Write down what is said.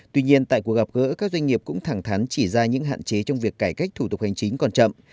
tuy nhiên tại cuộc gặp gỡ các doanh nghiệp cũng thẳng thắn chỉ ra những hạn chế trong việc cải cách thủ tục hành chính còn chậm